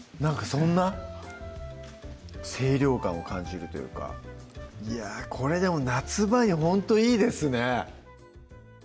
そんな清涼感を感じるというかいやこれでも夏場にほんといいですね